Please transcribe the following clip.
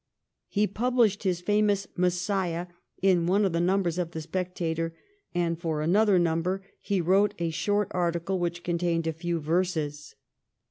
He published his famous " Messiah ' in one of the numbers of ' The Spectator,' and for another number he wrote a short article which contained a few verses.